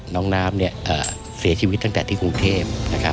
น้องน้ำเสียชีวิตตั้งแต่ที่กรุงเทพ